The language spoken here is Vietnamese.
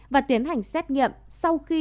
và tiến hành xét nghiệm sau khi